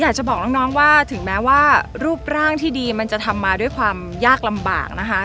อยากจะบอกน้องว่าถึงแม้ว่ารูปร่างที่ดีมันจะทำมาด้วยความยากลำบากนะคะ